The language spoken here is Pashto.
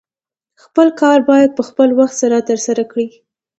خپل کار باید په خپل وخت سره ترسره کړې